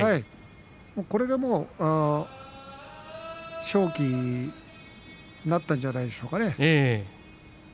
これで勝機になったんじゃないでしょうかね。